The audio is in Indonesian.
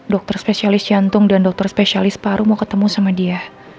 dokter spesialis jantung dan dokter spesialis paru mau ketemu sama dia